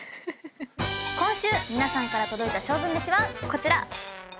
今週皆さんから届いた勝負めしはこちら。